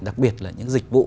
đặc biệt là những dịch vụ